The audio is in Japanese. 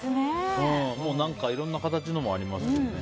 いろんな形のもありますよね。